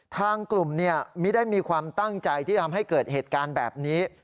ทางกลุ่มไม่ได้มีความตั้งใจที่ทำให้เกิดเหตุการณ์แบบนี้